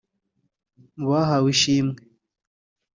Mu bahawe ishimwe